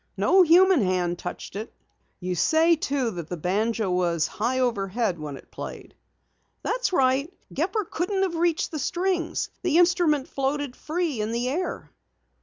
No human hand touched it." "You say, too, that the banjo was high overhead when it played?" "That's right, Dad. Gepper couldn't have reached the strings. The instrument floated free in the air."